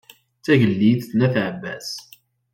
Tagliḍt n at ɛebbas